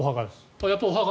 お墓。